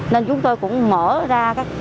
nên chúng tôi cũng mời các em đến các quân cư công dân